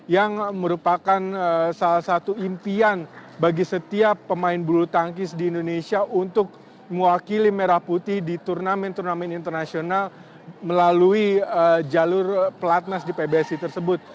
yang merupakan salah satu impian bagi setiap pemain bulu tangkis di indonesia untuk mewakili merah putih di turnamen turnamen internasional melalui jalur pelatnas di pbsi tersebut